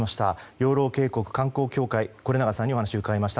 養老渓谷観光協会是永さんにお話を伺いました。